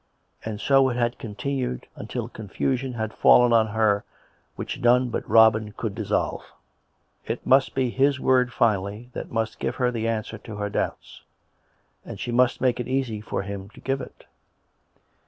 And so it had continued till confusion had fallen on her which none but Robin could dissolve. It must be 80 COME RACK! COME ROPE! his word finally that must give her the answer to her doubts; and she must make it easy for him to give it.